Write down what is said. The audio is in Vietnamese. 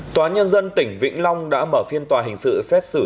tòa nhân dân tỉnh vĩnh long đã mở phiên tòa hình sự xét xử